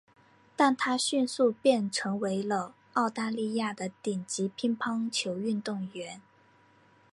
但她迅速变成为了澳大利亚的顶级乒乓球运动员。